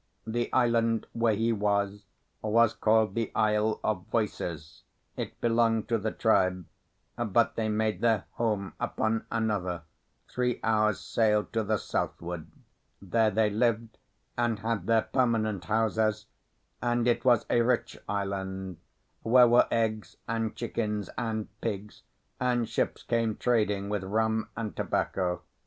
The island where he was was called the Isle of Voices; it belonged to the tribe, but they made their home upon another, three hours' sail to the southward. There they lived and had their permanent houses, and it was a rich island, where were eggs and chickens and pigs, and ships came trading with rum and tobacco.